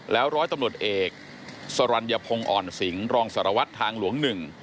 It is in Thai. แล้วร้อยตำรวจเอกสรรยพงศ์อ่อนสิงห์รองสารวัตรทางหลวงหนึ่ง